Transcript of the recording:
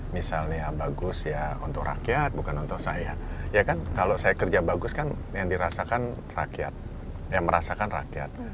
misalnya bagus ya untuk rakyat bukan untuk saya ya kan kalau saya kerja bagus kan yang dirasakan rakyat yang merasakan rakyat